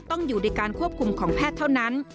ต้องอยู่ในการควบคุมของแพทย์เท่านั้น